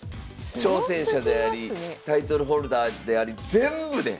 挑戦者でありタイトルホルダーであり全部ね。